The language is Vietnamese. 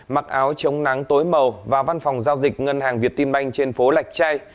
mặc áo chống nắng tối màu và văn phòng giao dịch ngân hàng việt tim banh trên phố lạch chay